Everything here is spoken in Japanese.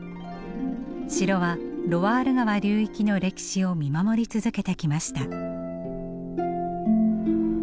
城はロワール川流域の歴史を見守り続けてきました。